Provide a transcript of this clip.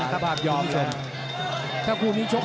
กับเรียบนะครับ